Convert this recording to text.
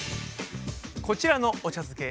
こちらのお茶漬け